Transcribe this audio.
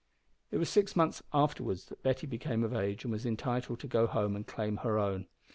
It was six months afterwards that Betty became of age and was entitled to go home and claim her own.